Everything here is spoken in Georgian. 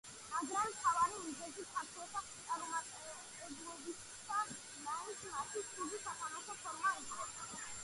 მაგრამ მთავარი მიზეზი ქართველთა წარუმატებლობისა მაინც მათი ცუდი სათამაშო ფორმა იყო.